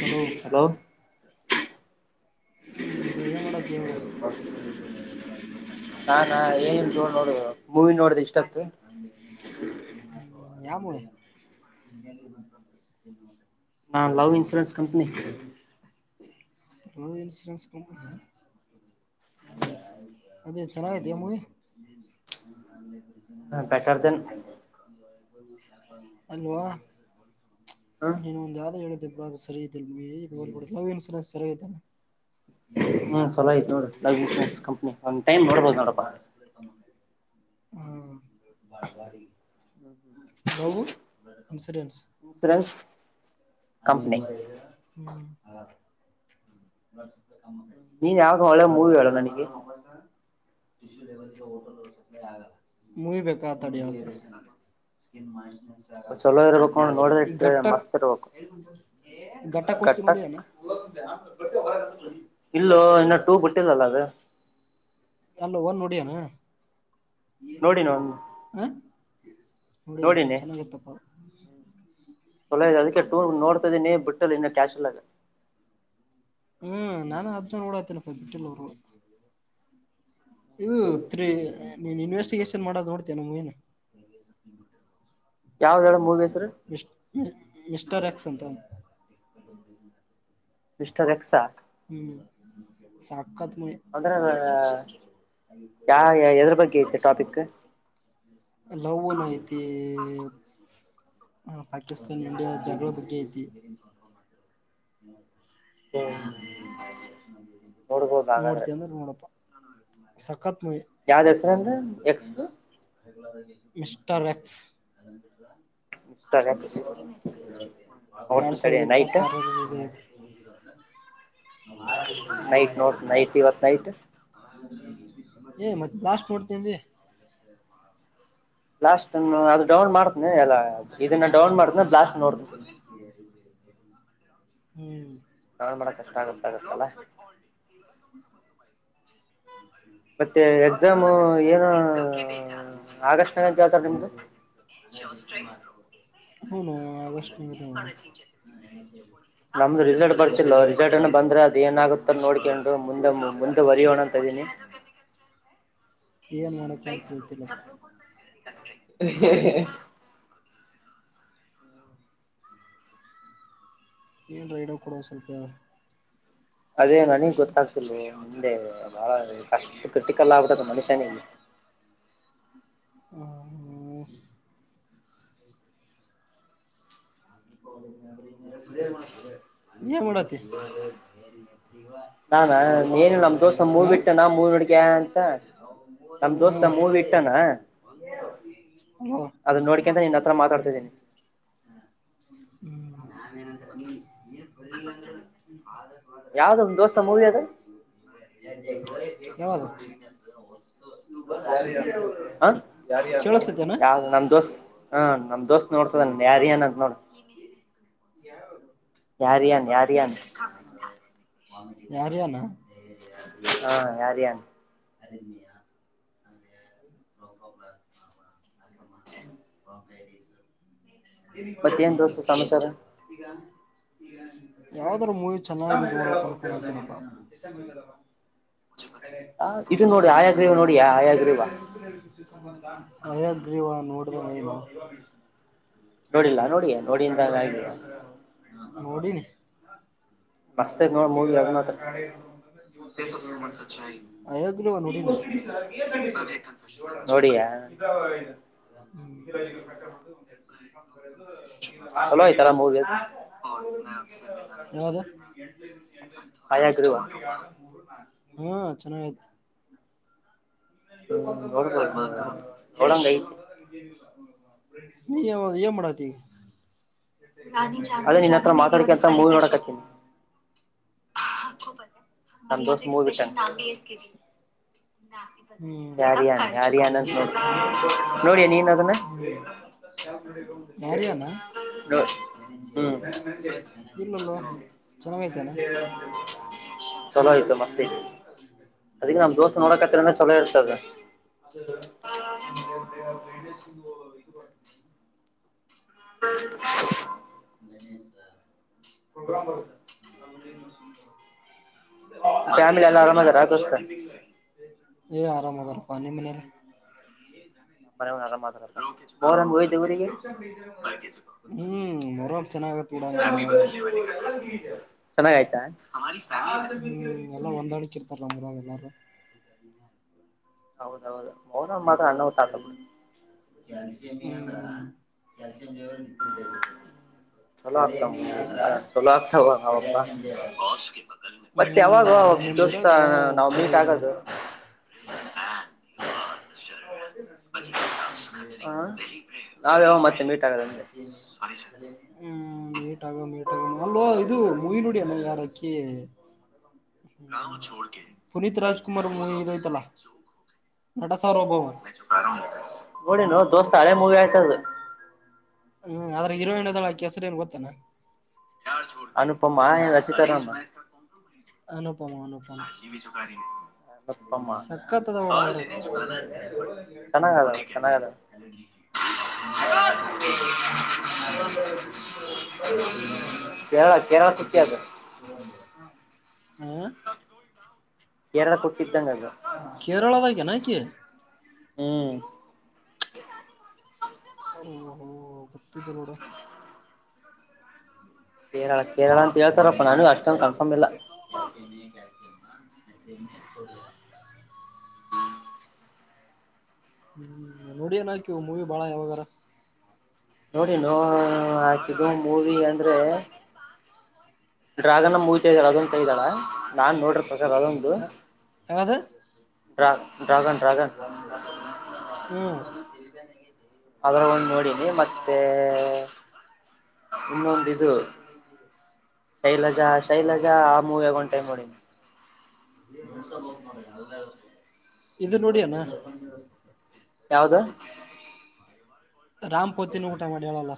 Hello ಏನು ಮಾಡತ್ತಿ ಇವಾಗ [unintelligible] ನಾಾನ ಏನ ನೋಡ ಮೂವಿ ನೋಡ್ದ ಇಷ್ಟತ್ ಹ [unintelligible] ಹಾ ಲವ್ ಇನ್ಶುರೆನ್ಸ್ ಕಂಪನಿ ಹ ಇನ್ಸೂರೆನ್ಸ್ ಕಂಪನಿ ಅದೇ ಚೆನ್ನಾಗ ಐತಿ ಮೂವಿ [unintelligible] ಹಲೋ ನೀನು ಒಂದು ಯಾದ ಹೇಳ ಸರಿ ಇಿಲ್ಲ ಇದುಬ ಲವ ಇನ್ಸೂರನ್ಸ್ ಸರಿ ಇದಿದ್ದೆ ಹ್ಮ್ ಚಲೋ ಆಯ್ತ್ ನೋ ಲೈ್ ಇನ್ರೆನ್ಸ್ ಕಂಪ್ನಿ ಒಂದ್ ಟೈಮ್ ನೋಡ್ಬೋದು ನೋಡಪ್ಪ ಬ ಬಾರಿ ಲವ ಇನ್ಸಡೆನ್ಸ್ ಇನ್ಸೂರೆನ್ಸ್ ಕಂಪ್ನಿ ಅ ಹ [unintelligible] ್ಮ ನೀನ್ ಯಾವಾಗ ಒಳ್ಳೆ ಮೂವಿ ಹೇಳ ನನಗೆ ಮುಯ್ಬೇಕಾ ಆತಡ [unintelligible] ಚಲೋ ಇರ್ಬೇಕೊಂಡು ನೋಡ್ರ ಇತ್ ಮಸ್ತ್ ಇರ್ಬೇಕು ಘಟ್ಟಕ್ಕಸ್ ನೋಡಿ ಕಟ್ಟಕ್ ಏನ ಇಲ್ಲೋ ಇನ್ನ ಟೂ ಬಿುಟ್ಟಿಲ್ಲಲ್ಲ ಅದು ಅಲ್ಲ ಒನ್ ನಡಿಯಾನ ನೋಡಿನ ಹ ನೋಡಿ ನೋಡಿನಿ ಚೆನ್ನಾಗಿತ್ತಪ್ಪ ಸಲ ಅದಕ್ಕೆ ಟೂರ್ ನೋಡ್ತ ಇದನಿ ಬಿಟ್ಟಲ್ಲ ಇನ್ನ ಕ್ಯಾಶ್ ಇಲ್ಲಾಗ ಹ್ಮ್ ನಾನು ಅದ ನೋಡಾತೇನಪ್ಪ ಬಿಟ್ಟಲ್ ಅವರು ಇದು ತ್ ನೀನ್ ಇನ್ವೆಸ್ಟಿಗೇಶನ್ ಮಾಡದು ನೋಡ್ತ ನಮ ಏನ ಯಾವ್ದ ಹೇಳ ಮೂವಿ ಹೆಸರು [unintelligible] ಮಿಸ್ಟರ್ ಹ್ಮ್ ಸಾಕತ್ ಮೂವಿ ಅಂದ್ರೆ ಯ ಎದ್ರ ಬಗ್ಗೆ ಐತೆ ಟಾಪಿಕ್ ಲವ್ನ್ ಹ ಪಾಕಿಸ್ತಾ ಇಂಡಿಯಾ ಜಗಳ ಬಗ್ಗೆ ಐತಿ ನೋಡ್ಬೋದು ಹಾಗಾದ್ರೆ ಮೂಡ್ತ ಅಂದ್ರ ಮೂಡಪ್ಪ ಸ ಯಾವ್ದ ಹೆಸರ ಅಂದ್ರೆ ಎಕ್ಸ್ ಮಿಸ್ಟರ್ ವಕ್ಸ್ ಮಿಸ್ಟರ್ ಎಕ್ಸ್ ಎಡ್ ನೋಡ್ತೀನಿ ತಡಿ ಸಾವಿರದ ನೈಟ್ ಇಪ್ಪತ್ತ ಆಾರ ನೈಟ್ ನೋಡ್ತ ನೈಟ್ ಇವತ್ ನೈಟ್ ಏ ಮತ್ತ್ ಬ್ಲಾಸ್ಟ್ ನೋಡ್ತೇನ್ ಬ್ಲಾಸ್ಟ್ನ್ನಅದು ಡೌನ್ ಮಾಡ್ತನಿ ಎಲ್ಲ ಇದನ್ನ ಡೌನ್ ಮಾಡ್ತನ ಬ್ಲಾಸ್ಟ್ ನೋಡ್ತನ ಹ್ಮ್ ಕಾಳ ಮಾಡಕ ಕಷ್ಟ ಆಗತ್ತ ಆಗತ್ತಲ್ಲ ಮತ್ತೆ ಎಕ್ಸಾಮ್ ಏನು ಆಗಸ್ಟ್ ನ ಯಾವಳ್ತಾರ ನಿಮ್ದು ಹೂನು ಆಗಸ್ಟ್ ನ್ ನಮ್ದು ರಿಸಲ್ಟ್ ಬರ್ಸಲ್ವ ರಿಸಲ್ಟ್ ಬಂದ್ರೆ ಅದ ಏನಾಗುತ್ತ ನೋಡ್ಕೊಂಡರು ಮುಂದೆ ಮುಂದೆ ಬರಿಯೋಣ ಅಂತ ಇ ಏನ್ ಮಾಡಕ ಅಂತ ಸ ತಿಳ್ತಿಲ್ಲಪ್ಪ ಸ್ಟ ಏನು ರೈಡೋ ಕೊಡುವ ಸ್ವಲ್ಪ ಅದೇ ನನಗ್ ಗೊತ್ತಾಗ್ತಿಲ್ಲ ಮುಂದೆ ಬಾಳ ಕ ಕಟ್ಟಿಕಲ್ಲಬಿಟದ ಮನುಷ್ಯನ ಹ ಹ್ಮ ನೀಯ ಮಡತಿ ನಾಾನ ನೀಏನು ನಮ ದೋಸ ಮೂವ್ ಬಿಟ್ಟೆ ನಾ ಮೂವ ನಡಿಕ ಅಂತ ನಮ್ ದೋಸ್ತ ಹಾ ಹಲೋ ಅದ ನೋಡ್ಕಂತ್ರ ನಿನ್ನ ಹತ್ರ ಮಾತಾಡ್ತಾದ್ದೀನಿ ನ ನು ಅಂದ್ರೆ ಯಾವ್ದ ನಮ್ ದೋಸ್ತ ಮೂವಿ ಅದು ಹವದು ಹ ಯ ಕೇಳಸ್ತೇತೇನ ಯ ನಮ ದೋಸ್ತ್ ಹ ನಮ್ ದೋಸ್ತ್ ನೋಡ್ತ ನ್ ಯಾರ ಏನ್ಂತ ನೋಡ ಯ ಯಾರ ಯನ್ ಯಾರ ಯನು ಯಾರ್ಯನಾ ಹಾ ಯಾರ್ಯ ಅ ಅ ಮತ್ತೇನ್ ದೋಸ್ತ ಸಮಾಚಾರ ಯಾವ್ದಾರ ಮೂವಿ ಚೆನ್ನಾಗಿ ನೋಕನ ಆ ಇದು ನೋಡಿ ಆಯಾಗ್ರೀವ ನೋಡಿಯಾ ಆಯಾಗ್ರೀವ ಅಯಗ್ರೀವಾನ್ ನೋಡಿಲ್ಲ ನೋಡ ನೋಡಿಂದ ಆಗ ನೋಡಿನಿ ಮಸ್ತೆ ನೋ ಮೂವಿ ಅಗ ಚನ್ನ ಹಯಗ್ರೀವ ನೋಡಿನಿ ನೋಡ ಇದು ಉಗರಾದಗಳು ಕಟ್ಟಬುದು ಒಂದ ಚಲೋ ಆಯ್ತಲ್ಲ ಮೂವಿ ಅದು ಯಾವದು ಆಯಾಗ್ರೀವ ಹಾ ಚೆನ್ನಾಗ ಆಯ್ತ ವ ನೋಡ್ಬೋದು ನೋಡಂಗ್ ಐತಿ ಬಂತಂದ್ರೆರಏನಿಲ್ಲ ನೀ ಯ ಮಾಡಡಾತಿ ಅದೇ ನಿನ್ನ ಹತ್ರ ಮಾತಾಡಕ್ಕೆ ಹತ್ರ ಮೂವಿ ನೋಡಕ ಹತ್ತನಿ [unintelligible] ಷ ಹ್ಮ್ ಅಂತ ನೋಡಿಯಾ ನೀನ್ ಅದನ್ನ ಹ್ಮ ಯಾರಿ ಅವ ಹ್ಮ್ ಇಲ್ಲಲ್ವಾ ಚೆನ್ನಾಗಾಗತೇನೆ ಚಲೋ ಆಯ್ತು ಮಸ್ತ್ ಐತಿ [inaudible] ಅದಕ್ಕೆ ನಮ್ ದೋಸ್ತ್ ನೋಡಕತ್ತಿರಂದ್ರ ಚಲೋ ಇರ್ತದ ಅ [unintelligible] ಹ್ಮ ಪ್ರೋಗ್ರಾಮ ಫ್ಯಾಮಿಲಿ ಎಲ್ಲ ಆರಾಮದರ ದೋಸ್ತ ಯಏ ಆರಾಮದಾರ ಪಾನಿ ಮನೆಲ್ಲ ನ ಮನ ಆರಾಮ್ರಂಗ ಹಯ್ದ ಊರಿಗೆ ಹ್ಮ್ ಮೊರಂ ಚೆನ್ನಾಗತ್ ಬಿಡ ಹ್ಮ್ ಚನ್ನ ಆಯತ ಹ್ಮ್ ಎಲ್ಲ ಹೊಂದಾಡಕ್ಕಿ ಇರ್ತಾರ ಮರಾಗ ಎಲ್ಲಾರು ಹೌದೌದು ಹೌನಮ್ಮ ಮಾತ್ರ ಅನ್ನ ತ ಅಂದ ಕ್ಯಾಲಯಂ ಏ ಅಂದ್ರ ಕ್ಯಾಲ್ಸಿಯಂ ಲೆವೆಲ್ ಡಿಕ್ರೀಸ್ ಆಗಿತ್ತ ಚಲೋ ಆಗ್ತವ ಚಲೋ ಆತ ಮತ್ತೆ ಹ್ಮ್ ಯಾವಾಗ ಒಂದೊಂದ್ ಜೋಸ್ತ ಊರಾಗ ನಾ ಮೀಟ್ ಸರಿಯಾಗಿರಲ್ಲ ಆಗದು ಹ ನಾವೆ ಮತ್ತೆ ನೀಟ್ ಆಗದಗೆ ಹ್ಮ್ ಮೇಟಾಗ ಮಟಗ ಅಲ್ವಾ ಇದು ಮುಯಿನಡಿ ಎಲ್ಲ ಯಾರಕ್ಕಿ ಹ್ಮ ಪುನೀತ್ ರಾಜ್ ಕುಮಾರ್ ಮೂವಿ ಇದಐತಲ್ಲಾ ನಟಸಾರ್ವಭೌಮ ನೋಡಿ ನೋ ದೋಸ್ತ್ ಹಳೆ ಮೂವಿ ಆಯ್ತದ ಹ್ಮ್ ಆದ್ರೆ ಇರೋಣ್ಣದಳ ಹಾಕ ಹೆಸರಿ ಏ ಗೊತ್ತೇನಾ ಅನುಪಮ ಏನ್ ರಚಿತಾರಾಮ ಅನು [unintelligible] ಅಪ್ಪ ಅಮ್ಮ ಚೆನ್ನಾಗರ [unintelligible] ಯಧ ಹ್ಮ ಎರಳ ಕೊಟ್ಟಿದ್ದಂಗ ಅಗ ಕೇರಳದಾಗೇನ ಆಕಿ ಹ್ಮ್ ಓಹೋ ಗೊತ್ತಿದ್ದಿಲ್ಲ ನೋಡು ಕೇರಳ ಕೇರಳ ಅಂತ ಹೇಳ್ತಾರಪ್ಪ ನಾನು ಅಷ್ಟೊಂದು ಕನ್ಫರ್ಮ್ ಇಲ್ಲ ಅ [unintelligible] ಹ್ಮ್ ನೋಡಿಯನಕ ಮೂವಿ ಬಾಳ ಯಾವಾಗಾರ ನೋಡಿ ನ ಹಾಕಿದ್ದು ಮೂವಿ ಅಂದ್ರೆ ಡ್ರ್ಯಾಗನ್ ಮೂವಿ ತ ಇದ ಅದೊಂದುಂತ ಇದ್ದಳ ನಾನ್ ನೋಡ್ರ ಪ್ರಕಾರ ಅದೊಂದು ಡ್ರಾ ಡ್ರಾಗನ್ ಡ್ರಾಗನ್ ಹ್ಮ ಅದ್ರ ಒಂದು ನೋಡಿನಿ ಮತ್ತೆ ಇನ್ನೊಂದು ಇದು ಹ ಶೈಲಜಾ ಶೈಲಜಾ ಆ ಮೂವಿ ಆಗೊಂಡ್ ಟೈಮ್ ನೋಡಿ [unintelligible] ಯಾವುದೇ ಆದ್ರೂನು ಇದು ನೋಡ ಅಣ್ಣ ಯಾವ್ದು ರಾಮ್ ಪೋತಿನ ಊಟ ಮಾಡಿ ಹೇಳಲ್ಲ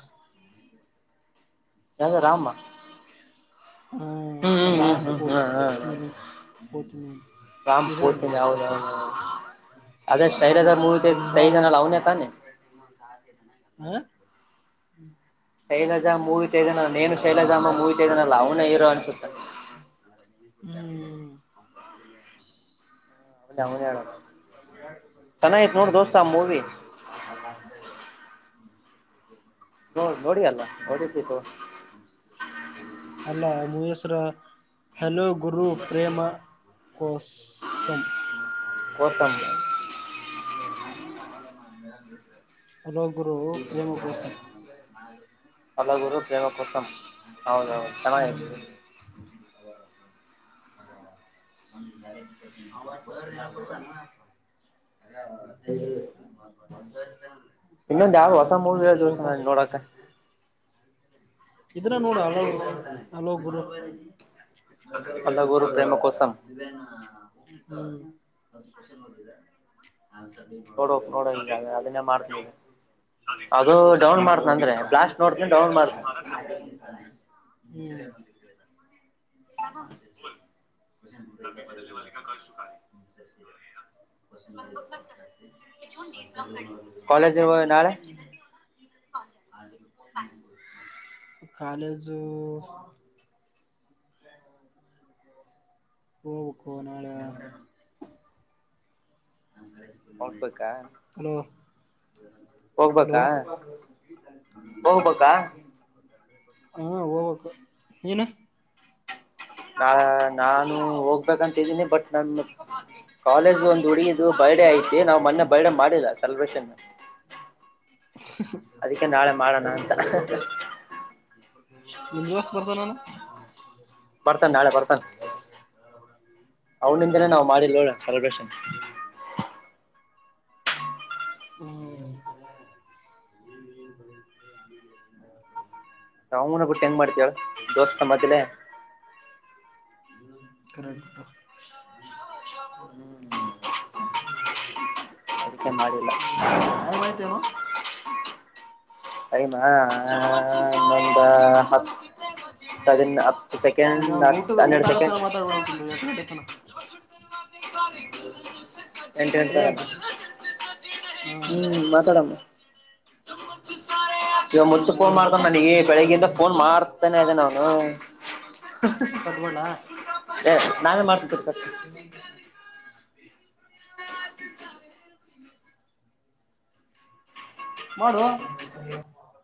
ಯ ರಾಮ ಹ್ಮ್ ಹ್ಮ್ ಹ್ಮ್ ರಾಮ್ ಹ್ಮ್ ಹ್ಮ್ ಪತೀನಿ ಪತೀನಿ ಕಾಮ ಪೋಟ್ಟಿ ನ ಅವ ಅದೇ ಸೈರಝಾರ ಮೂವಿ ದಹ ದುಂಡಾರ ಜನ ಲವನ್ ಯಾನ ಹ್ಮ್ ಶೈಲಜ ಮೂವಿ ತೆಗೆಗನ ನೇನು ಶೈಲಜಾ ಅಮ್ಮ ಮೂವಿ ತೆಗ್ದನಲ್ಲ ಅವ್ನ ಹೀರೋ ಅನ್ಸುತ್ತೆ [inaudible] ಅವನೇ ಅವನೇ ಹೇಳೋದು ಹ್ಮ್ ಚೆನ್ನಾಗಿತ್ ನೋಡ್ ದೋಸ್ತ ಆ ಮೂವಿ [inaudible] ನೋ ನೋಡಿ ಅಲ್ಲ ನೋಡಿದ್ದತ್ತು ಅಲ್ಲ ಮು ಎಸರ ಹಲೋ ಗುರು ಪ್ರೇಮಕಸಂ ಕೊಸಾಮಯ ಅಲೋ ಗುರು ಪ್ರೇಮು ಭಷಣ ಹಲಗುರು ಪ್ರೇಮಕಸಂ ಹೌದು ಚೆನ್ನಾಗವಿ [inaudible] ಮತ್ತರಪ ಹ ಇದ್ರ ನೋಡ ಹಲೋ ಹಲೋ ಗು ಮ ಕ ಹಲಗುರು ಬಲದ ಪ್ರೇಮ ಕೋಸಂ ವಿಬನ ಹಾ ನೋಡೋ ನೋಡ ಈಗ ಅದನ್ನ ಮಾಡ್ತ ಅದು ಡೌನ್ ಮಾಡ್ತನ ಅಂದ್ರೆ ಬ್ಲಾಸ್ಟ್ ನೋಡ್ತನ ಡೌನ್ ಮಾಡ್ತನ ಹ್ಮ ಹ ಕಾಲೇಜ್ ನಾಳೆ [inaudible] ಕಾಲೇಜ ಹೋಗಖೋ ನಾಳೆ ಹಟ್ಬೇಕಾ ಹಲೋ ಹಲೋ ಹೋಗ್ಬೇಕಾ ಹಾ ಹೋಗ್ಬೇಕಾ ಹಾ ಹೋಗಕ್ ಏನು ನಾ ನಾನು ಹೋಗ್ಬೇಕಂತಿದ್ದೀನಿ ಬಟ್ ನನ್ ಕಾಲೇಜ್ ಒಂದು ಹ ಉಡು ಬರ್ಡೇ ಐತಿ ನಾವ್ ಮೊನ್ನೆ ಬರ್ಡೇ ಮಾಡಿಲ್ಲ ಸೆಲೆಬ್ರೇಷನ್ ಅದಕ್ಕೆ ನಾಳೆ ಮಾಡೋಣ ಅಂತ ನಿಮಗಸ್ ಬರ್ತಾನಾನ ಬರ್ತಾನ ನಾಳೆ ಬರ್ತಾನೆ ಅವನಿಂದನೇ ನಾ್ ಮಾಡಿರ್ೋ ಸೆಲೆಬ್ರೇಷನ್ ಹ್ಮ್ ಅವಮ್ಮನ ಬಿಟ್ಟು ಹೆಂಗ್ ಮಾಡ್ತಳ ದೋಸ್ತ ಮದ್ಲೆ ಕರಕಟು ಹ್ಮ್ ಮಾಡಿಲ್ಲ ಟೈಮ್ ಆಯ್ತೇನೋ ಹ ಇನ್ನೊಂದ ಹತ್ತು ಸದ ಹತ್ತು ನೀನು ಸೆಕೆಂಡ್ ಹ ಊಟದ ಊಟ ಹನ್ನೆರಡು ಆಗತ್ತಾನ ಸೆಕೆಂಡ್ ಮಾತಾಡ್ಬಿಡ ಸುಮ್ನೆ ಎಟ್ ಗಂಟೆ ತನ [inaudible] ಎಂಟು ಗಂಟರ ಏನಂತಿ ಹಾ ಹ್ಮ್ ಮಾತಾಡಮ್ಮ ಜಮ್ಮ ಮ ಇವ ಆಮೇಲೆ ಮುತ್ತು ಮೂವಿ ಫೋನ್ ನೋಡಕ್ ಮಾಡ್ಕೊಂಡ್ ನನಗ ಬೆಳಗ್ಗಿಂದ ಫೋನ್ ಮಾಡ್ತಾನೆ ಇದದೆ ನಾವನು ಬರ್ತೀನಿ ಕಟ್ಬೇಡ ನಾನೇ ಮಾಡ್ಬಟ್ಟರ್ತ ಮಾಡು. ಹ